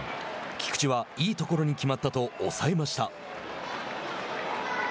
菊池は、いいところに決まったと抑えました。